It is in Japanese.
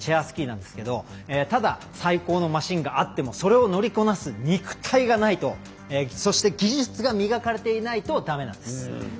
スキーなんですがただ、最高のマシンがあってもそれを乗りこなす肉体がないとそして技術が磨かれていないと、だめなんです。